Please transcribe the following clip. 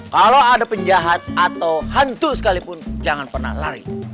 kalau ada penjahat atau hantu sekalipun jangan pernah lari